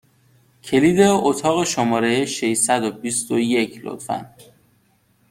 کلید اتاق شماره ششصد و بیست و یک، لطفا!